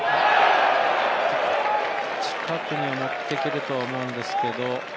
近くには持ってくると思うんですけれども。